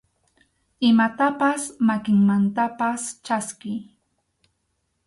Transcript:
Imatapas makinmantapas chaskiy.